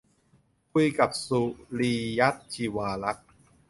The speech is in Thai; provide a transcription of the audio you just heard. คุยกับ สุรีย์รัตน์ ชิวารักษ์